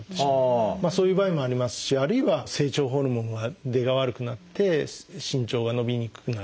そういう場合もありますしあるいは成長ホルモンの出が悪くなって身長が伸びにくくなる。